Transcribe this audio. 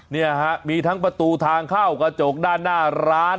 เนี่ยฮะมีทั้งประตูทางเข้ากระจกด้านหน้าร้าน